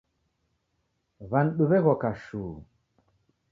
W'anidu w'eghoka shuu